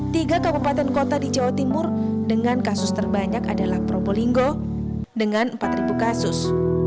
tiga kabupaten kota di jawa timur dengan kasus terbanyak adalah probolinggo dengan empat kasus